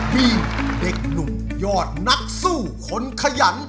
มีเด็กหนุ่มยอดนักสู้คนขยัน